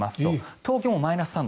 東京、マイナス３度？